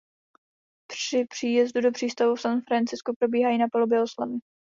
Při příjezdu do přístavu v San Franciscu probíhají na palubě oslavy.